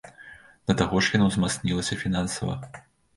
Да таго ж яна ўзмацнілася фінансава.